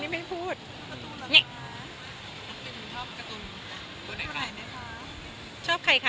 ขออยู่ด้วยใช่มั้ยคะ